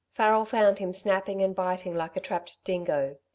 Farrel found him snapping and biting like a trapped dingo.